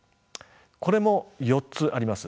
これも４つあります。